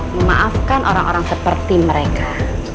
memaafkan orang orang seperti mereka